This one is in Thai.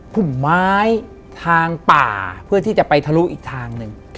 ุ่มไม้ทางป่าเพื่อที่จะไปทะลุอีกทางหนึ่ง